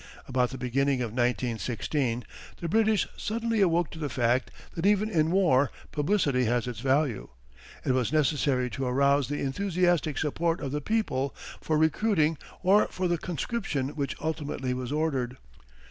About the beginning of 1916 the British suddenly awoke to the fact that even in war publicity has its value. It was necessary to arouse the enthusiastic support of the people for recruiting or for the conscription which ultimately was ordered.